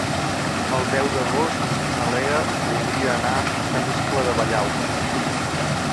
El deu d'agost na Lea voldria anar a Sant Iscle de Vallalta.